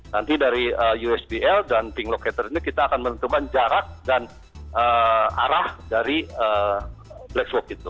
nanti dari usbl dan ping locator ini kita akan menentukan jarak dan arah dari black box itu